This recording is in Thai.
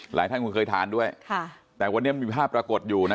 หลายท่านคงเคยทานด้วยค่ะแต่วันนี้มีภาพปรากฏอยู่นะ